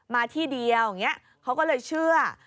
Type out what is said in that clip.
มาที่เดียวอย่างนี้เขาก็เลยเชื่อ